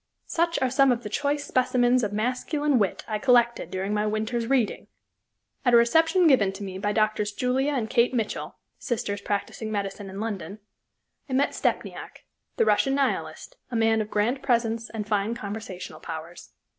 Such are some of the choice specimens of masculine wit I collected during my winter's reading! At a reception given to me by Drs. Julia and Kate Mitchell, sisters practicing medicine in London, I met Stepniak, the Russian Nihilist, a man of grand presence and fine conversational powers.